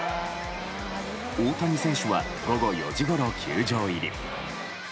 大谷選手は午後４時ごろ球場入り。